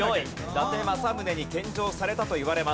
伊達政宗に献上されたといわれます。